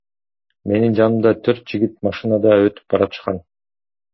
Менин жанымдан төрт жигит машинада өтүп баратышкан.